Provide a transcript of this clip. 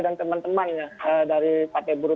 dan teman temannya dari partai buruh